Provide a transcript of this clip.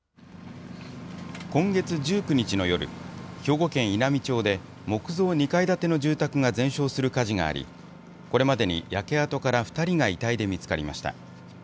今月１９日の夜、兵庫県稲美町で、木造２階建ての住宅が全焼する火事があり、これまでに焼け跡から２人が遺体で見つかりました。